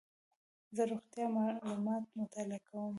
زه روغتیایي معلومات مطالعه کوم.